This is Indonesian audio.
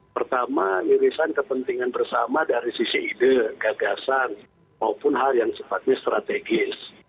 pertama irisan kepentingan bersama dari sisi ide gagasan maupun hal yang sifatnya strategis